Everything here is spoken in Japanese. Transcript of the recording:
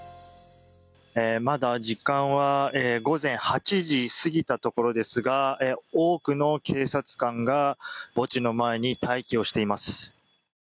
まだ時間は午前８時過ぎたところですが多くの警察官が墓地の前に待機しています。